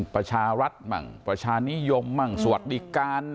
ประชารัฐมั่งประชานิยมมั่งสวัสดิการ